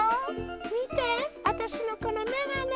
みてあたしのこのめがね。